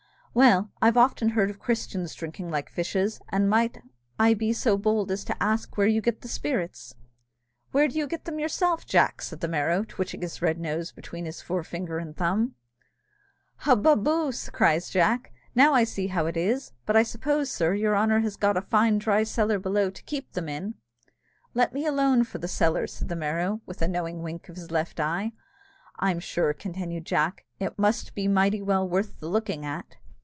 Well, I've often heard of Christians drinking like fishes; and might I be so bold as ask where you get the spirits?" "Where do you get them yourself, Jack?" said the Merrow, twitching his red nose between his forefinger and thumb. "Hubbubboo," cries Jack, "now I see how it is; but I suppose, sir, your honour has got a fine dry cellar below to keep them in." "Let me alone for the cellar," said the Merrow, with a knowing wink of his left eye. "I'm sure," continued Jack, "it must be mighty well worth the looking at."